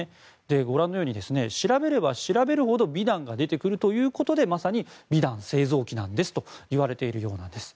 ご覧のように調べれば調べるほど美談が出てくるということでまさに美談製造機なんですといわれているようなんです。